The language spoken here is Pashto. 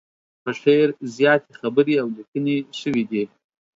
په شعر زياتې خبرې او ليکنې شوي دي.